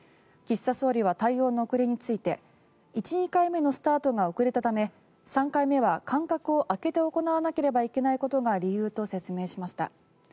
岸田総理は対応の遅れについて１、２回目のスタートが遅れたため３回目は間隔を空けて行わなければいけないことが理由と説明しました。